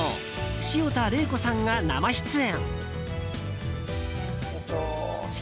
潮田玲子さんが生出演。